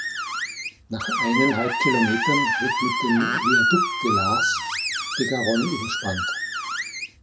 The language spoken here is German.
Nach eineinhalb Kilometern wird mit dem "Viaduc de Laas" die Garonne überspannt.